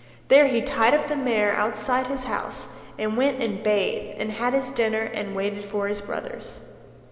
There he tied up the mare outside his house and went and bathed and had his dinner and waited for his brothers.